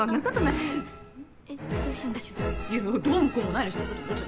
いやどうもこうもないでしょ。